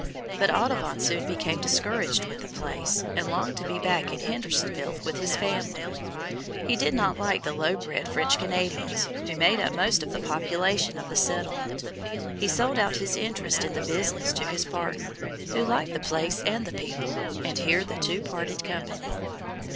But Audubon soon became discouraged with the place and longed to be back in Hendersonville with his family. He did not like the low bred French Canadians, who made up most of the population of the settlement. He sold out his interest in the business to his partner, who liked the place and the people, and here the two parted company.